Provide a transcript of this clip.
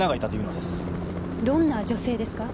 どんな女性ですか？